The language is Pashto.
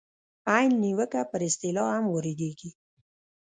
عین نیوکه پر اصطلاح هم واردېږي.